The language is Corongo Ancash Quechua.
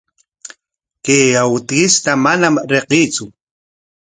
Chay awkishtaqa manam riqsiitsu.